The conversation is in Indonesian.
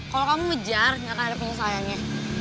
kalau kamu ngejar gak akan ada penyesaiannya